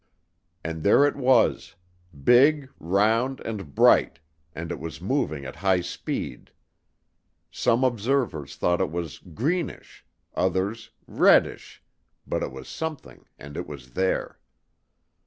And there it was: big, round and bright, and it was moving at high speed. Some observers thought it was "greenish," others "reddish," but it was something and it was there.